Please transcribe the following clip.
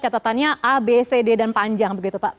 catatannya a b c d dan panjang begitu pak